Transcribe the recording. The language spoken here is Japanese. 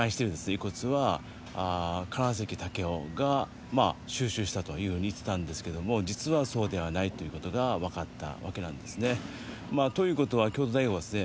遺骨は金関丈夫が収集したというふうに言ってたんですけども実はそうではないということが分かったわけなんですねまあということは京都大学はですね